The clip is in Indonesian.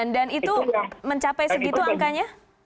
dan itu mencapai segitu angkanya